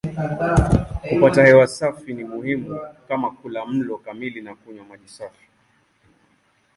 Kupata hewa safi ni muhimu kama kula mlo kamili na kunywa maji safi.